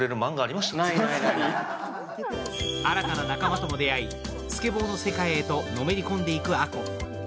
新たな仲間とも出会い、スケボーの世界にのめり込んでいく憧子。